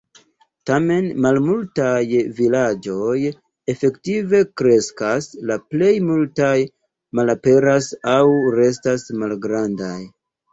Tamen malmultaj vilaĝoj efektive kreskas, la plej multaj malaperas aŭ restas malgrandaj.